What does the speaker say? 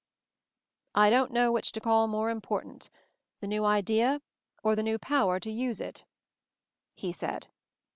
"I don't know which to call more import ant — the new idea, or the new power to use it," he said.